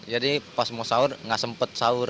jadi pas mau sahur gak sempet sahur